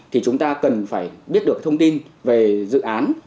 thì chúng ta cần phải biết được thông tin về dự án